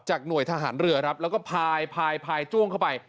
หน่วยทหารเรือครับแล้วก็พายพายจ้วงเข้าไป